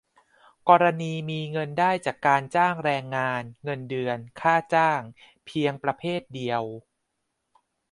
กรณีมีเงินได้จากการจ้างแรงงาน เงินเดือน ค่าจ้าง เพียงประเภทเดียว